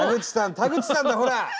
田口さんだほら！